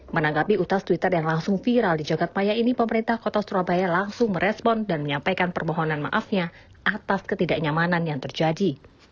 menanggapi utas twitter yang langsung viral di jagadmaya ini pemerintah kota surabaya langsung merespon dan menyampaikan permohonan maafnya atas ketidaknyamanan yang terjadi